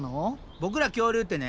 ボクら恐竜ってね